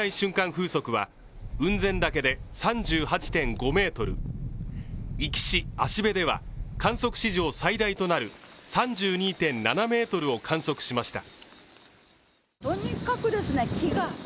風速は雲仙岳で３８．５メートル、壱岐市芦辺では観測史上最大となる３２．７メートルを観測しました。